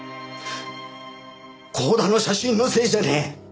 光田の写真のせいじゃねえ！